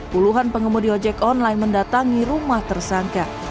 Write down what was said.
puluhan pengemudi ojek online mendatangi rumah tersangka